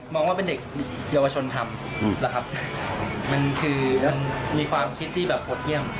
มองว่าเป็นเด็กเยาวชนธรรมมีความคิดที่แบบพดเยี่ยม